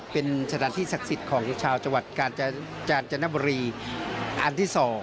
เป็นสถานที่ศักดิ์สิทธิ์ของชาวจังหวัดกาญจนบุรีอันที่๒